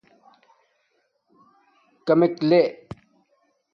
کمک لݵ